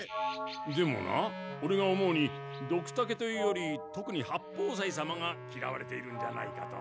でもなオレが思うにドクタケというよりとくに八方斎様がきらわれているんじゃないかと。